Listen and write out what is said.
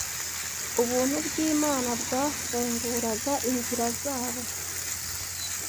ubuntu bw’Imana bwafunguraga inzira zabo.